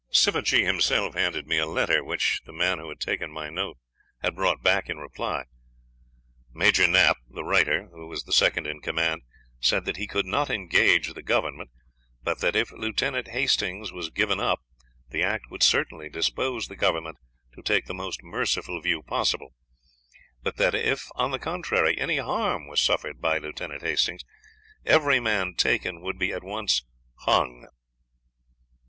Sivajee himself handed me a letter, which the man who had taken my note had brought back in reply. Major Knapp, the writer, who was the second in command, said that he could not engage the Government, but that if Lieutenant Hastings was given up the act would certainly dispose the Government to take the most merciful view possible; but that if, on the contrary, any harm was suffered by Lieutenant Hastings, every man taken would be at once hung.